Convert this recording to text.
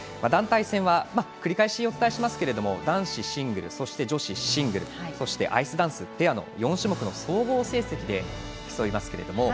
団体戦は繰り返しお伝えしますけども男子シングルそして女子シングルそしてアイスダンス、ペアの４種目の総合成績で競いますが